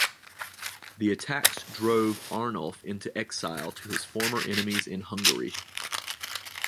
These attacks drove Arnulf into exile to his former enemies in Hungary.